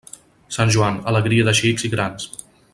Sant Joan, alegria de xics i grans.